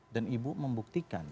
dan ibu membuktikan